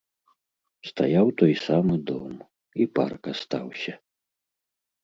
Стаяў той самы дом, і парк астаўся.